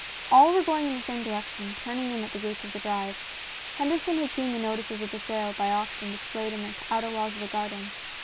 All were going in the same direction, turning in at the gates of the drive. Henderson had seen the notices of the sale by auction dis played on the outer walls of the garden.